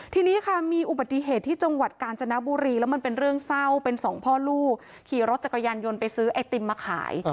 ทีนี้ค่ะมีอุบัติเหตุที่จังหวัดกาญจนบุรีแล้วมันเป็นเรื่องเศร้าเป็นสองพ่อลูกขี่รถจักรยานยนต์ไปซื้อไอติมมาขาย